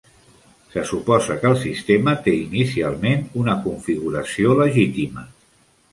Se suposa que el sistema té inicialment una configuració legítima.